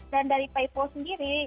dan dari paypal sendiri